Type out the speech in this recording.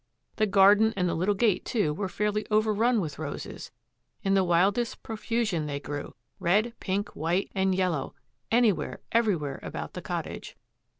The garden and the little gate, too, were fairly overrun with roses; in the wildest profusion they grew, red, pink, white, and yellow, anywhere, everywhere about the cottage.